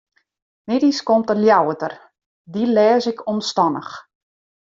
Middeis komt de Ljouwerter, dy lês ik omstannich.